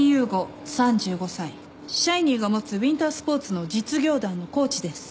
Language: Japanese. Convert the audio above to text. シャイニーが持つウインタースポーツの実業団のコーチです。